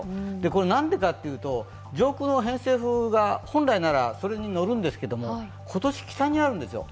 これなんでかっていうと、上空の偏西風が本来なら、それに乗る部分ですけど今年は北にあるんですよ。